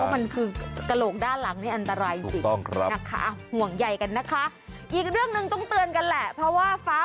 เพราะมันคือกระโหลกด้านหลังเนี่ยอันตรายสิ